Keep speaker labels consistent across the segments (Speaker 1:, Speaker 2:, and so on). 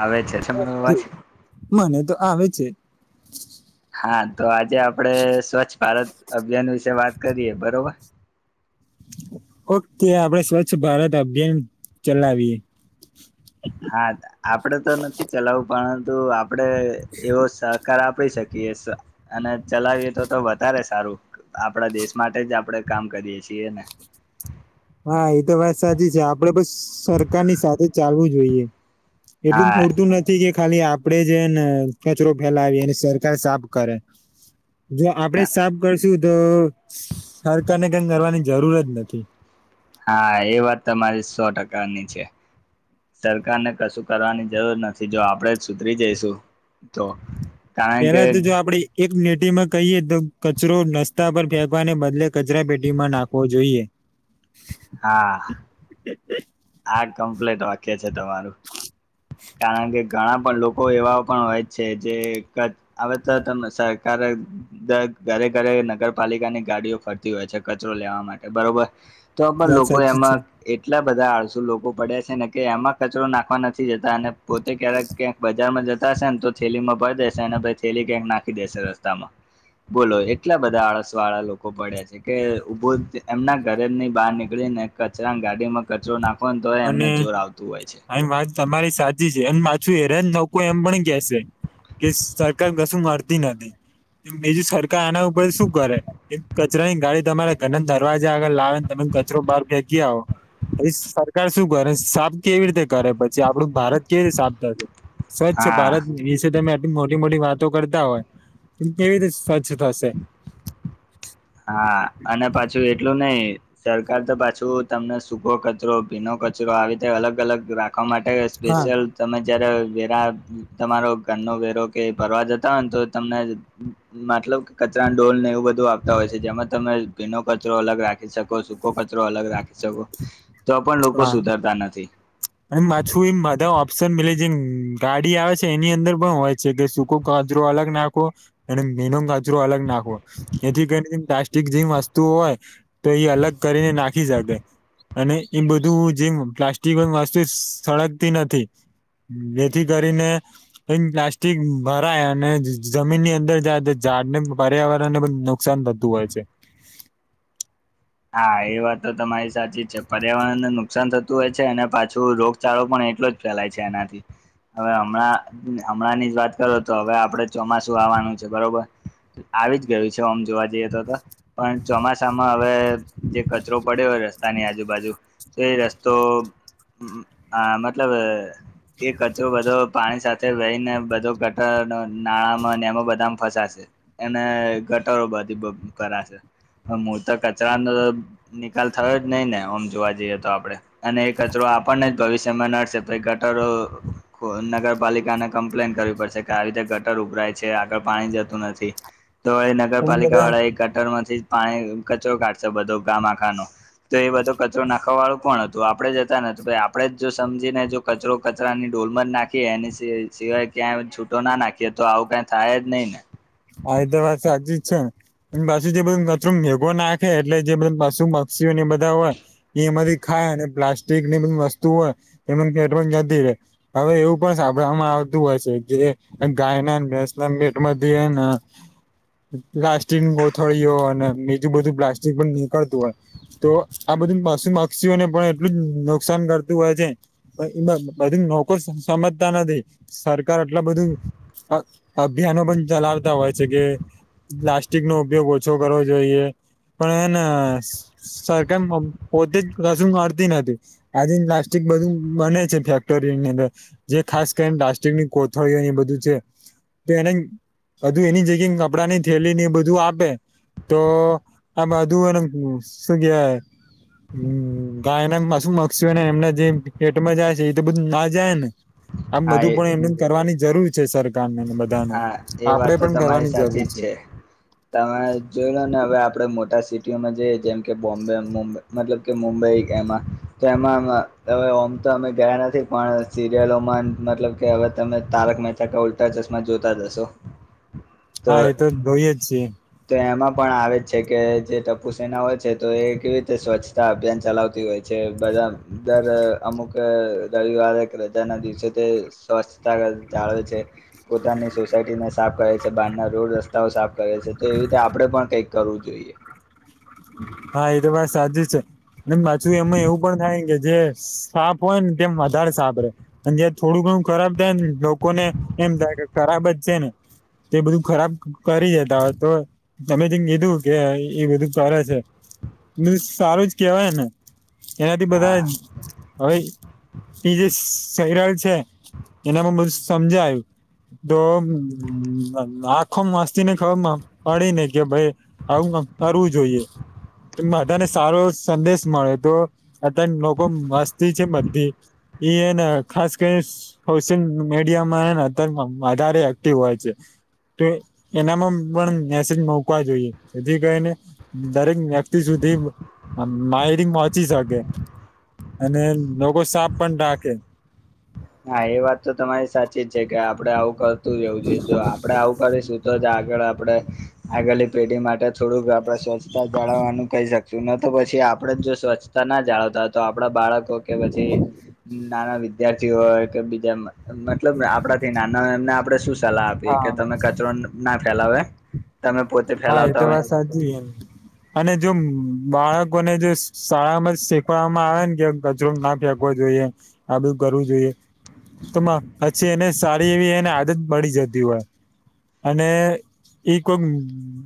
Speaker 1: આવે છે તમારો અવાજ?
Speaker 2: મને તો આવે છે.
Speaker 1: હા તો આજે આપડે સ્વચ્છ ભારત અભિયાન વિશે વાત કરીએ બરોબર.
Speaker 2: ઓકે આપડે સ્વચ્છ ભારત અભિયાન ચલાવીએ.
Speaker 1: હા આપે તો નથી ચલાવું પરંતુ આપડે એવો સહકાર આપી શકીએ અને ચલાવીએ તો તો વધારે સારું. આપડા દેશ માટે જ આપડે કામ કરીએ છીએ ને.
Speaker 2: હા એ તો વાત સાચી છે આપડે બસ સરકારની સાથે ચાલવું જોઈએ. એટલું
Speaker 1: હા
Speaker 2: પુરતું નથી કે ખાલી આપડે જે ને કચરો ફેલાવી એને સરકાર સાફ કરે. જો આપડે જ સાફ કરશું તો સરકારને કઈ કરવાની જરૂર જ નથી.
Speaker 1: હા એ વાત તમારી સો ટકાની છે. સરકાર ને કશું કરવાની જરૂર નથી જો આપડણે જ સુધરી જઈશું. તો કારણ કે
Speaker 2: એનાથી જો આપડી એક નેટીમાં કહીએ તો કચરો નાસ્તા પર ફેંકવાને બદલે કચરા પેટીમાં નાખવો જોઈએ.
Speaker 1: હા.
Speaker 2: [inaudible]
Speaker 1: આ કમ્પ્લેટ વાક્ય છે તમારું. કારણ કે ઘણા પણ લોકો એવા પણ હોય જ છે જે હવે તો તમ સરકાર ઘરે ઘરે નગરપાલિકાની ગાડીઓ ફરતી હોય છે કચરો લેવા માટે બરોબર તો પણ
Speaker 2: વાત
Speaker 1: લોકો
Speaker 2: સાચી છે
Speaker 1: એમાં એટલા બધા આડસુ લોકો પડે છે ને કે એમાં કચરો નાખવા નથી જતા અને પોતે ક્યારેક ક્યાંક બજારમાં જતા હશે ને તો છેેલી માં ભરી દેશે અને પછી થેલી ક્યાંક નાખી દેશે રસ્તામાં. બોલો એટલા બધા આળસ વાળા લોકો પડ્યા છે કે ઉભો એમના ઘરે ની બહાર નીકળી ને કચરા ગાડીમાં કચરો નાખો ને તો એ એમને
Speaker 2: અને
Speaker 1: જોર આવતું હોય છે.
Speaker 2: આમ વાત તમારી સાચી છે એમ પાછું હેરાન એમ પણ કશે. કે સરકાર કશું મળતી નથી બીજું સરકાર આના પણ શું કરે કચરાની ગાડી તમારે તેને દરવાજા આગળ લાવે ને તમે કચરો બહાર ફેંકી આવો સરકાર શું કરે સાફ કેવી રીતે કરે પછી આપડું ભારત કેવી રીતે સાફ થશે. સ્વચ્છ
Speaker 1: હા
Speaker 2: ભારત વિશે તમે મોટી મોટી વાતો કરતા હોય તો કેવી રીતે સ્વચ્છ થશે.
Speaker 1: હા અને પાછું એટલું નઈ સરકાર તો પાછું તમને સૂકો કચરો ભીનો કચરો આવી રીતે અલગ અલગ રાખવા માટે
Speaker 2: હા
Speaker 1: [unintelligible] તમે જયારે વેરા તમારો ઘરનો વેરો કે ભરવા જતા હોય ને તો તમને મતલબ કે કચરા ડોલ ને એવું બધું આપ હોય છે જેમાં તમે ભીનો કચરો અલગ રાખી શકો સૂકો કચરો અલગ રાખી શકો તો પણ લોકો
Speaker 2: હા
Speaker 1: સુધરતા નથી.
Speaker 2: અને માછું એમ બધા ઓપ્શન મિલે જેમ ગાડી આવે છે એની અંદર પણ હોય છે કે સુ અલગ નાખો અને ભીનો કચરો અલગ નાખો એથી કરી જે વસ્તુ હોય તો એ અલગ કરીને નાખી શકે અને એમ બધું જેમ પ્લાસ્ટિક વસ્તુ સળગતી નથી. જેથી કરીને એ પ્લાસ્ટિક ભરાય અને જમીન ની અંદર જાય તો ઝાડને પર્યાવરણને પણ નુકસાન બતું હોય છે.
Speaker 1: હા એ વાત તો તમારી સાચી જ છે પર્યાવરણને નુકસાન થતું હોય છે અને પાછું રોગ ચારો પણ એટલો જ ફેલાય છે એનાથી. હવે હમણાં હમણાં ની જ વાત કરો તો હવે આપડે ચોમાસું આવવાનું છે બરોબર. આવી જ ગયું છે આમ જોવા જઈએ તો તો. પણ ચોમાસામાં હવે જે કચરો પડ્યો હોય રસ્તાની આજુબાજુ તો રસ્તો મતલબ એ કચરો બધો પાણી સાથે વહી ને બધો ગટર નાણાંમાં અને એમાં બધામાં ફસાશે. એને ઘટાડો બધી કરાશે હ હું તો ક નો નિકાલ થયો જ નહી ને આમ જોવા જઈએ તો આપડે. અને એ કચરો આપણને જ ભવિષ્યમાં નડશે તો એ કચરો. નગરપાલિકાને કમ્પ્લેન કરવી પડશે કે આવી રીતે ગટર ઉભરાય છે આગળ પાણી જતું નથી. તો
Speaker 2: પણ
Speaker 1: નગરપાલિકા
Speaker 2: બધા
Speaker 1: વાળા એ કટર માંથી પાણી કચરો કાઢશે બધો ગામ આખાનો. તો એ બધો કચરો નાખવા વાળું કોણ હતું આપણેે જતા નું આપણે જ જો સમજીને. કચરો કચરાની ઢોલમાં જ નાખીએ એ સિવાય ક્યાં છૂટો નાખીએ તો આવું ક થાય જ નહી ને.
Speaker 2: હૈદરાબદ સાજી છે. પાછુ જે બધું કચરું મેઘો નાખે એટલે જે બધ પશુ પક્ષીઓને એ બધા હોય એ એમાંથી ખાય અને પ્લાસ્ટિક ની પણ વસ્તુ હોય એ કે નથી રહે. હવે એવું પણ સાંભળવામાં આવતું હોય છે કે ગાયનાસ મીટ હા. પ્લાસ્ટિકું ગથળીઓ અને બીજું બધું પ્લાસ્ટિક પણ નીકળતું હોય. તો આ બધું પશુપક્ષીઓને પણ એટલું જ નુકસાન કરતું હોય છે. બધું નો સમજતા નથી સરકાર આટલા બધું અભિયાનો પણ ચલાવતા હોય છે કે પ્લાસ્ટિક નો ઉપયોગ ઓછો કરવો જોઈએ પણ એને સરકાર પોતે જ રસમ મળતી નથી આજે પ્લાસ્ટિક બધું બને છે ફેક્ટરીની અંદર જે ખાસ કરીને પ્લાસ્ટિક ની કોથળી એ બધું છે તો એને હજુ એની જગ્યા કપડાં ની થેલી ની એ બધું આપે તો આ બાધુ એને શું કેવાય હ ગાય [unintelligible] એમના જે પેટમાં જાય છે એ તો બધું ના જાય ને. આમ
Speaker 1: હા
Speaker 2: બધું
Speaker 1: એ
Speaker 2: પણ એમ કરવાની જરૂર છે સરકાર ને બધા નું
Speaker 1: હા એ વાત તો તમારી સાચી જ છે. તમે જોઈ લો ને હવે આપણેે મોટા સિટીઓમાં જઈએ જેમ કે બોમ્બે મુંબઈ મતલબ કે મુંબઈ એમાં તો એમાં હવે ઓમ તો અમે ગયા નથી પણ સિરિલોમાં મતલબ કે હવે તમે તારક મહેતા કા ઉલટા ચશ્મા જોતા જ હશો.
Speaker 2: હા એ તો જોઈએ જ છીએ.
Speaker 1: તો એમાં પણ આવે જ છે કે જે ટપુ સેના હોય છે તો એ કેવી રીતે સ્વચ્છ તા અભિયાન ચલાવતી હોય છે બધા દર અમુક રવિવારે કે રજાના દિવસે તે સ્વચ્છતા જાળવે છે. પોતાની સોસાયટીને સાફ કરે છે બહારના રોડ રસ્તાઓ સાફ કરે છે તો એવી રીતે આપણે પણ કંઈક કરવું જોઈએ.
Speaker 2: હા એતો વાત સાચી છે. ને પાછું એમાં એવું પણ થાય કે જે સાફ હોય ને તેમ વધારે સાફ રહેે. અને જ થોડું ઘણું ખરાબ થાય ને લોકોને એમ થાય કે ખરાબ જ છે ને તે બધું ખરાબ કરી જતા હોય તો તમેથી કીધું કે એ બધું કરે છે. બ સારું જ કેવાય ને એનાથી બધા
Speaker 1: હા
Speaker 2: જ હવે એ જે [unintelligible] છે એના પણ બધું સમજાય્યું. તો આખો મસ્તી ને ખબર પડી ને કે ભઈ આવું કાંક કરવું જોઈએ બધાને સારો સંદેશ મળે તો અત્યારે લોકો મસ્તી છે બધી એ એને ખાસ કરી સોશિયલ મીડિયામાંને અત્યારે વધારે એક્ટિવ હોય છે તો એનામાં પણ મેસેજ મુકવા જોઈએ જેથી કરિ ને દરેક વ્યક્તિ સુધી આમ માહિતિ પહોંચી શકે અને લોકો સાપ પણ ઢાકે
Speaker 1: હા એ વાત તો તમારી સાચી જ છે કે આપડે આવું કરતું રહેવું જોઈએ જો આપડે આવું કરીશું તો જ આગળ આપડે આગળની પેઢી માટે થોડુંક આપડે સ્વસ્થ જાળવવાનું કહી શકશું ન તો પછી આપડે જો સ્વચ્છતા ના જાળવતા તો આપડા બાળક તો કે પછી નાના વિદ્યા વિધાર્થી હોય કે બીજા મતલબ આપડાથી નાના એમને આપણે શું સલાહ આપીએ કે
Speaker 2: હા.
Speaker 1: તમે કચરો ના ફેલાવે તમે પોતે
Speaker 2: હા એ તો
Speaker 1: ફેલાવતા હોય
Speaker 2: વાત સાચી હે અને જો બાળકોને જો શાળામાં શીખવામાં આવે ને કે કચરો ના ફેંક કવો જોઈએ આ બધું કરવું જોઈએ તો પછી એને સારી એવી એને આદત પડી જતી હોય અને એક ઓમ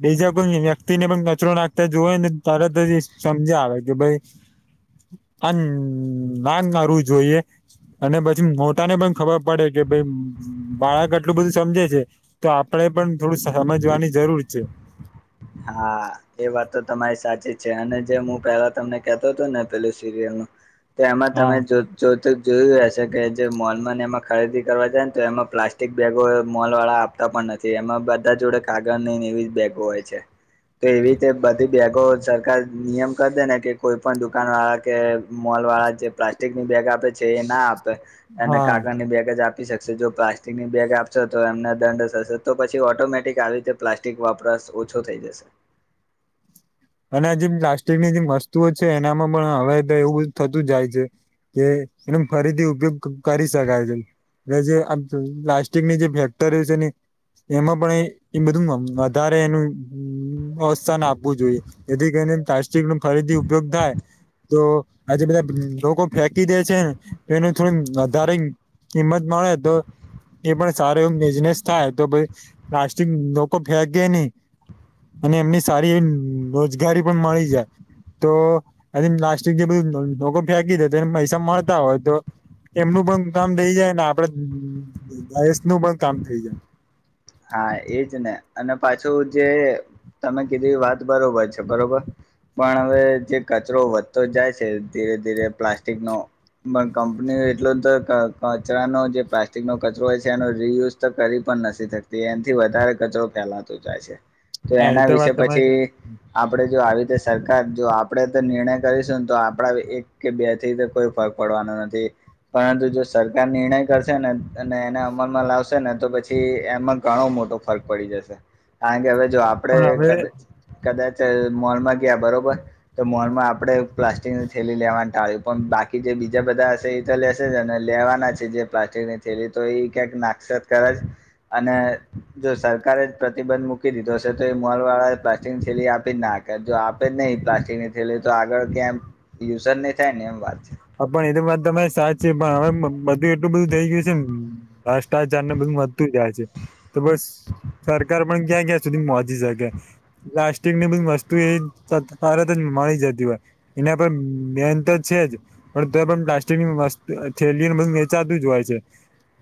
Speaker 2: બીજા કોઈ વ્યક્તિ ને પણ કચરો નાખતા જોવે ને તરત જ એ સમજાવે કે ભાઈ આમ ના કરવું જોઈએ અને પછી મોટા ને પણ ખબર પડે કે ભાઈ બાળક આટલું બધું સમજે છે તો આપડે પણ થોડું સમજવાની જરૂર છે
Speaker 1: હા એ વાત તો તમારી સાચી છે અને જે હું પેલા તમને કેતો હતો ને પેલી સિરિયલ નું તો એમાં
Speaker 2: હા
Speaker 1: તમે જો જો તો જોયું હશે કે જે મોલમાં ને એમાં ખરીદી કરવા જાય ને તો એમાં પ્લાસ્ટિક બેગો મોલ વાળા તા પણ નથી એમાં બધા જોડે કાગળ નહીને એવી બેગો હોય છે તો એવી રીતે બધી બેગો સરકાર નિયમ કરી દે ને કે કોઈ પણ દુકાન વાળા કે મોલ વાળા જે પ્લાસ્ટિક ની બેગ આપે છે એ ના આપે અને
Speaker 2: હા
Speaker 1: કાગળ ની બેગ જ આપ પી શકશે જો પ્લાસ્ટિકની બેગ આપશો તો એમને દંડ થશે તો પછી ઓટોમેટિક આવી રીતે પ્લાસ ટીક વાપરાશ ઓછો થઈ જશે
Speaker 2: અને આ જે પ્લાસ્ટિકની જેમ વસ્તુઓ છે એનામાં પણ હવે એવું થતું જાય છે કે એનો ફરીથી ઉપયોગ કરી શકાય છે એટલે જે આ પ્લાસ્ટિકની જે ફેક્ટરી છે ને એમાં પણ એ બધું વધારે એનું અવસ્થાન આપવું જોઈએ જેથી કરીને પ્લાસ્ટિક નો ફરીથી ઉપયોગ થાય તો આજે બધા લોકો ફેંકી દે છે ને તો એનું થોડુ [unintelligible] હિંમત મળે તો એ પણ સારો એવું બિઝનેસ થાય તો પ્લાસ્ટિક લોકો ફેકે નહી અને એમની સારી એવી રોજગારી પણ મળી જાય તો એ પ્લાસ્ટિક જે બધું લોકો ફેંકી દે એને પૈસા મળતા હોય તો એમનું પણ કામ થઈ જાય ને આપડે આઈ એસ નું પણ કામ થઇ જાય
Speaker 1: હા એજ ને અને પાછું જે તમે કીધી વાત બરોબર છે બરોબર પણ હવે જે કચરો વધતો જાય છે ધીરે ધીરે પ્લાસ્ટિક નો મન કંપની એટલા તો ક કચરાનો જે પ્લાસ્ટિકનો કચરો હોય છે એનો રિયુઝ તો કરી પણ નથી થક એનથી વધારે કચરો ફેલાતો જાય છે તો
Speaker 2: હા એ
Speaker 1: એના વિશે
Speaker 2: વાત તમારી
Speaker 1: પછી
Speaker 2: સાચી.
Speaker 1: આપડે જો આવી રીતે સરકાર જો આપડે તો નિર્ણય કરીશું ને તો આપડા એક કે બે થી કોઈ ફક પડવાનો નથી પરંતુ જો સરકાર નિર્ણય કરશે ને અને એને અમલમાં લાવશે ને તો પછી એમાં ઘણો મોટો ફર્ક પડી જશે, કારણ કે હવે જો આપણેે
Speaker 2: પણ હવે
Speaker 1: કદાચ કદાચ મોલમાં ગયા બરોબર. તો મોલમાં આપડે પ્લાસ્ટિકની થેલી લેવા ટાળ્યું પણ બાકી જે બીજા બધા હશે લે જ અને લેવાના છે જે પ્લાસ્ટિકની થેલી તો એ ક્યાંક નાશત કરે, અને જો સરકારે જ પ્રતિબંધ મૂકી દીધો હશે તો એ મોલ વાળા પ્લાસ્ટિકની સીલી આપી જ નાખ જો આપે જ નહીિ પ્લાસ્ટિક ની થે તો આગળ ક્યાં યુઝ જ નહી થાય ને એમ વાત છે.
Speaker 2: હ પણ એ તો વાત તમારી સાચ છે પણ હવે બધું એટલું બધું થઈ ગયું છે ને. ભ્રષ્ટાચાર ને બધું વધતું જાય છે, તો બસ સરકાર પણ ક્યાં ક્યાં સુધી જગ્યા પ્લાસ્ટિક ની બધી વસ્તુ એ તરત જ મળી જતી હોય. એના પર બેન તો છે જ. પણ ત પણ પ્લાસ્ટિકનીસ્ત થેલીને બધું વચાતું જ હોય છે.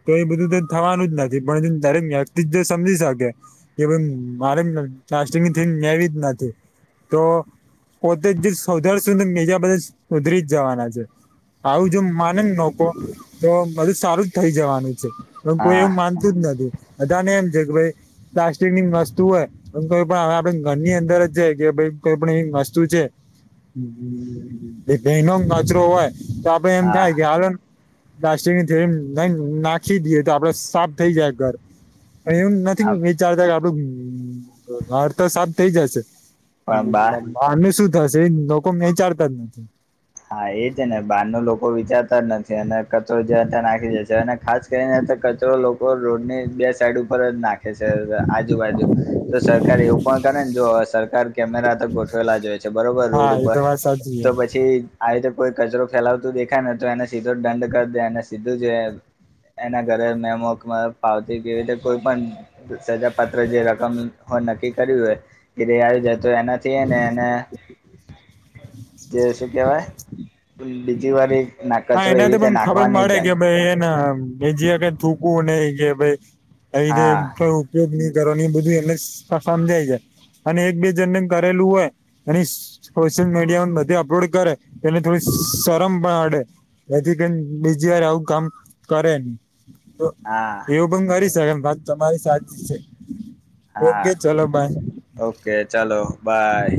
Speaker 2: તો એ બધું તો થવાનું જ નથી પણ દરેક વ્યક્તિ જ જો સમજી શકે. કે ભ મારે નવી જ નથી. તો પોતે જ સૌધર સુધર મીજા બધા સુધરી જ જવાના છે. આવું જો માને ને લોકો, તો બધું સારું જ થઈ જવાનું છે, પણ કોઈ
Speaker 1: હા
Speaker 2: એવું માન ું જ નથી, બધાને એમ છે કે ભાઈ પ્લાસ્ટિક ની વસ્તુ હોય. એ કોઈ પણ હવે આપડે ઘરની અંદર જ જાય કે ભ કોઈ પણ એ વસ્તુ છે. ભયનો કચરો હોય, તો આપડે એમ
Speaker 1: હા
Speaker 2: થાય કે હાલને પ્લાસ્ટિક ની થ ન નાખી દઈએ તો આપડ સાફ થઈ જાય ઘર. એમ
Speaker 1: હા
Speaker 2: નથી વિ ચાલતા કે આપડું હર તો સાફ થઇ જશે.
Speaker 1: પણ બા
Speaker 2: આને શું થશે લોકો એ વિચારતા જ નથી.
Speaker 1: હા એ છે ને બહાર ન લોકો વિચારતા જ નથી અને કચરો જ ત્યાં નાખી જાય છે અને ખાસ તેને કચરો લોકો રોડ ની બે સાઈડ ઉપર જ નાખે છે આજુબાજુ. તો સરકાર એવું પણ કરે ને જો સરકાર કેમેરા તો ગોઠવેલા જોય છે બરોબર
Speaker 2: હા
Speaker 1: રોડ
Speaker 2: એ
Speaker 1: ઉપર.
Speaker 2: તો વાત સાચી છે
Speaker 1: તો પછી આવી તો કોઈ કચરો ફેલાવતું દેખાય ને તો એને સીધો દંડ કરી દે અને સીધું જો એના ઘરે મેમો, પાવતી કેવી રીતે કોઈ પણ સજા પાત્ર જે રકમ હો નક્કી કર્યું હોય, ઘેરે આવજ તો એનાથી ને એને, જે શું કેહેવાય. બીજી વાર ના
Speaker 2: હા
Speaker 1: કચરો એવી
Speaker 2: એનાથી
Speaker 1: રીતે
Speaker 2: પણ ખબર
Speaker 1: નાખવા નહી
Speaker 2: મળે કે
Speaker 1: જાય
Speaker 2: ભાઈ એના મે જે કઈ થૂકવું ને કે ભાઈ, અ
Speaker 1: હા
Speaker 2: ક ઉપયોગની ની કરવાનું એ બધું એમને સમજાય જાય. અને એક બે જણ કરેલું હોય, અને સોશિયલ મીડિયા બધી અપલોડ કરે, તેને થોડી શરમ પાણ અડે, એથી કે બીજી વાર આવું કામ કરે, નને
Speaker 1: હા.
Speaker 2: કરી શકે વાત તમારી સાચ છે,
Speaker 1: હા
Speaker 2: ઓકે ચલો બાય.
Speaker 1: ઓકે ચલો બાય.